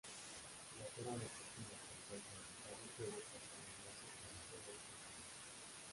La zona deportiva que alberga el estadio luego pasó a llamarse Marcelo Stefani.